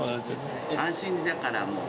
安心だから、もう。